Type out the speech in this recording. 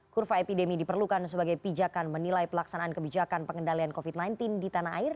kurva epidemi diperlukan sebagai pijakan menilai pelaksanaan kebijakan pengendalian covid sembilan belas di tanah air